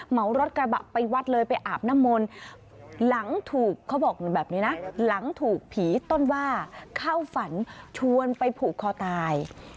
เหมารถกระบะไปวัดเลยไปอาบน้ำมนต์หลังถูกเขาบอกแบบนี้นะหลังถูกผีต้นว่าเข้าฝันชวนไปผูกคอตาย